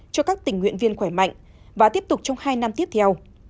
cho các tình nguyện viên khỏe mạnh và tiếp tục trong hai năm tiếp theo